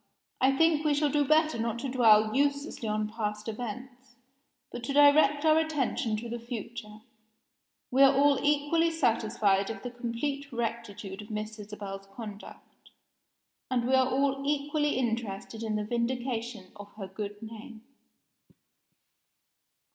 I think we shall do better not to dwell uselessly on past events, but to direct our attention to the future. We are all equally satisfied of the complete rectitude of Miss Isabel's conduct, and we are all equally interested in the vindication of her good name."